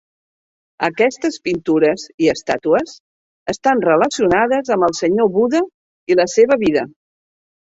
Aquestes pintures i estàtues estan relacionades amb el senyor Buda i la seva vida.